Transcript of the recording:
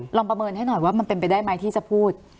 ประเมินให้หน่อยว่ามันเป็นไปได้ไหมที่จะพูด